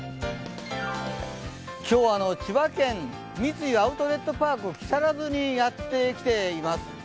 今日は千葉県三井アウトレットパーク木更津にやってきています。